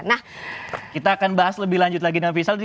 nah kita akan bahas lebih lanjut lagi dengan visal